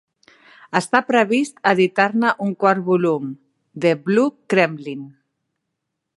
Està previst editar-ne un quart volum, "The Blue Kremlin".